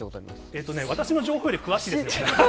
えーとね、私の情報より詳しいですよ。